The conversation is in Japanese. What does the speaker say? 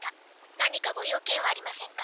何かご用件はありませんか？